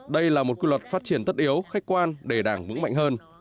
đây là một quy luật phát triển tất yếu khách quan để đảng vững mạnh hơn